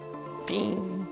ピン。